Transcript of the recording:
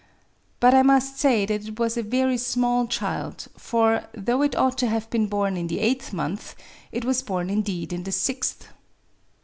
... But I must say that it was a very small child; for, though it ought to have been born in the eighth month, it was born indeed in the sixth.